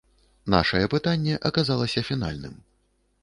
Нашае пытанне аказалася фінальным.